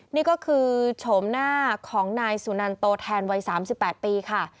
นี่ก็คือโฉมหน้าของนายสุนันโตแทนวัย๓๘ปีค่ะ